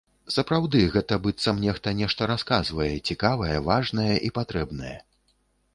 Сапраўды, гэта быццам нехта нешта расказвае, цікавае, важнае і патрэбнае.